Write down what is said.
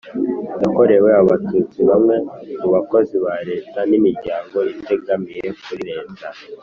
yakorewe Abatutsi bamwe mu bakozi ba Leta n imiryango itegamiye kuri leta